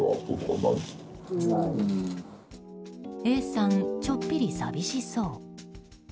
Ａさん、ちょっぴり寂しそう。